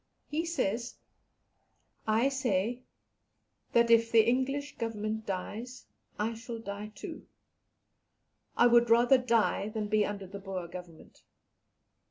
He says, "I say, that if the English Government dies I shall die too; I would rather die than be under the Boer Government.